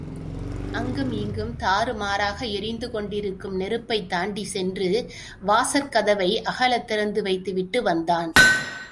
அங்குமிங்கும் தாறுமாறாக எரிந்து கொண்டிருக்கும் நெருப்பைத் தாண்டிச் சென்று வாசற்கதவை அகலத்திறந்து வைத்துவிட்டு வந்தான்.